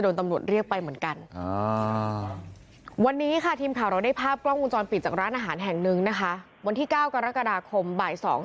แล้วก็นิกกี้ก็รออีกคนนึงมารับ